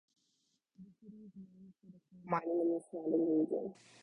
The city is known for the coal-mining in the surrounding region.